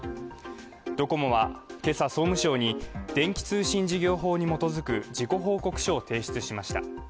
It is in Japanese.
ドコモは今朝、総務省に電気通信事業法に基づく事故報告書を提出しました。